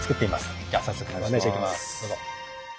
どうぞ。